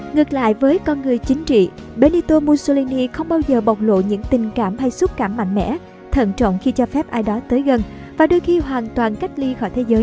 ngược lại với con người chính trị benito mussolini không bao giờ bộc lộ những tình cảm hay xúc cảm mạnh mẽ thận trọng khi cho phép ai đó tới gần và đôi khi hoàn toàn cách ly khỏi thế giới